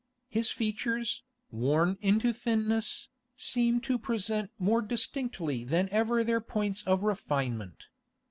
His features, worn into thinness, seem to present more distinctly than ever their points of refinement.